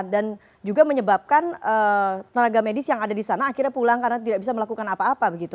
dan juga menyebabkan tenaga medis yang ada di sana akhirnya pulang karena tidak bisa melakukan apa apa